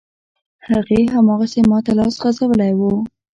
هغې، هماغسې ماته لاس غځولی و.